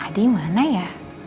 adik mana ya